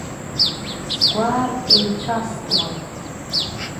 Сгәаар еицәастәуан.